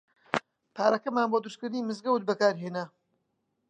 پارەکەمان بۆ دروستکردنی مزگەوت بەکار هێنا.